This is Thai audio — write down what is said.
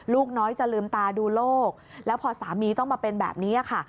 ลูกน้อยจะลืมตาดูโลกแล้วพอสามีต้องมาเป็นแบบนี้ค่ะ